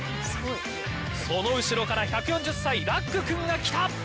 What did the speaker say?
その後ろから１４０歳、ラック君が来た。